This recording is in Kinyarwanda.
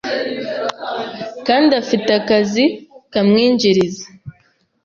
kandi afite akazi kamwinjiriza,